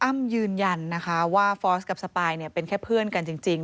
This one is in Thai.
ยืนยันนะคะว่าฟอร์สกับสปายเป็นแค่เพื่อนกันจริง